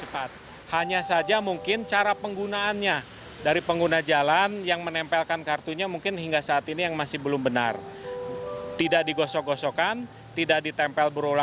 pihak jasa marga menurunkan beberapa petugas di gardu tol